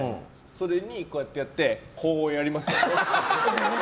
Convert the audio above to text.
それに、こうやってやってこうやりますよね。